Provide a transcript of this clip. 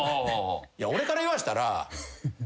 いや俺から言わしたら。